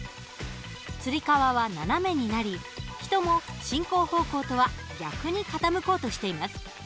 つり革は斜めになり人も進行方向とは逆に傾こうとしています。